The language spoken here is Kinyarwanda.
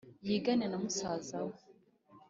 yigane na musaza we